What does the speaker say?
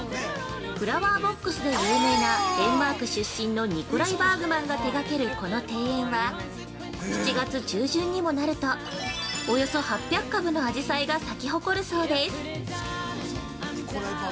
フラワーボックスで有名なデンマーク出身のニコライ・バーグマンが手掛けるこの庭園は、７月中旬にもなるとおよそ８００株のあじさいが咲き誇るそうです。